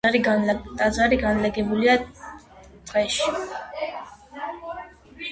ტაძარი განლაგებულია ტყეში.